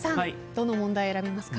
どの問題選びますか？